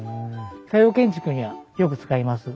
西洋建築にはよく使います。